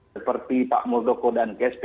seperti pak muldoko dan ksp